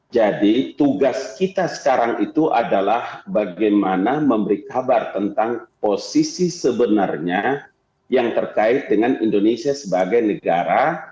jadi tugas kita sekarang itu adalah bagaimana memberi kabar tentang posisi sebenarnya yang terkait dengan indonesia sebagai negara